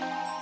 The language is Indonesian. aku di sini